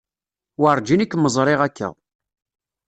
Werǧin i kem-ẓriɣ akka.